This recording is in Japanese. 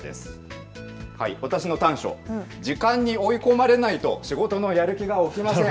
私の短所、時間に追い込まれないと仕事のやる気が起きません。